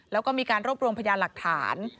แล้วก็มีการรวบรวมพยานหลักฐาน